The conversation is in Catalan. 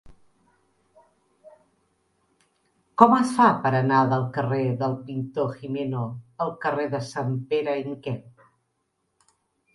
Com es fa per anar del carrer del Pintor Gimeno al carrer de Sanpere i Miquel?